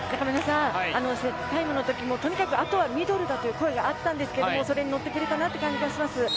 タイムのときもとにかく後はミドルだという声があったんですがそれにのってくれたなという感じがします。